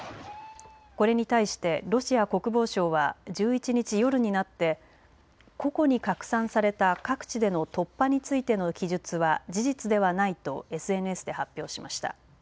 これに対してロシア国防省は１１日夜になって個々に拡散された各地での突破についての記述は事実ではないとＳＮＳで発表しました。